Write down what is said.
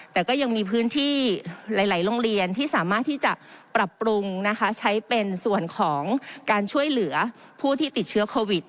แต่ก็ยังมีพื้นที่หลายโรงเรียนที่สามารถที่จะปรับปรุงนะคะใช้เป็นส่วนของการช่วยเหลือผู้ที่ติดเชื้อโควิด